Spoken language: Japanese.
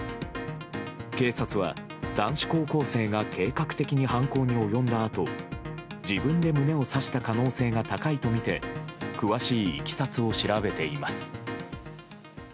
警察は、男子高校生が計画的に犯行に及んだあと自分で胸を刺した可能性が高いとみて詳しいいきさつを調べています。